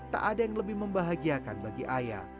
tak ada yang lebih membahagiakan bagi ayah